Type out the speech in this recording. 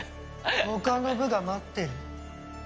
他の部が待ってる。